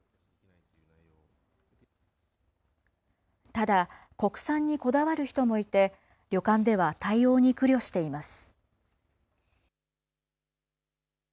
ただ、国産にこだわる人もいて、旅館では対応に苦慮しています。